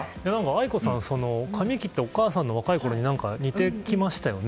愛子さま、髪を切ってお母さまの若いころに似てきましたよね。